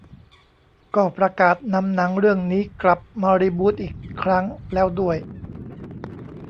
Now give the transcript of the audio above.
ก็ประกาศนำหนังเรื่องนี้กลับมารีบูตอีกครั้งแล้วด้วย